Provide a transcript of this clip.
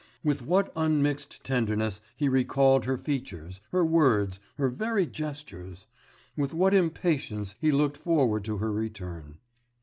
With what unmixed tenderness he recalled her features, her words, her very gestures ... with what impatience he looked forward to her return.